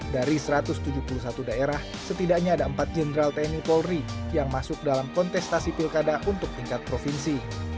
dari satu ratus tujuh puluh satu daerah setidaknya ada empat jenderal tni polri yang masuk dalam kontestasi pilkada untuk tingkat provinsi